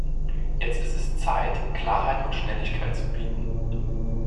Jetzt ist es Zeit, Klarheit und Schnelligkeit zu bieten.